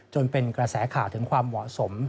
จนเป็นกระแสข่าวถึงความเหมาะสม